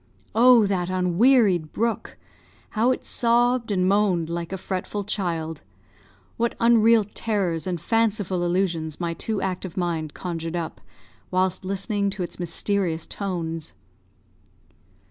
Oh, that unwearied brook! how it sobbed and moaned like a fretful child; what unreal terrors and fanciful illusions my too active mind conjured up, whilst listening to its mysterious tones!